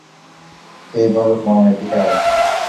হেই ভালুক মামা, এদিকে আয়!